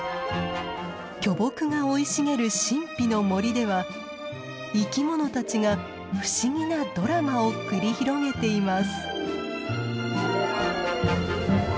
巨木が生い茂る神秘の森では生き物たちが不思議なドラマを繰り広げています。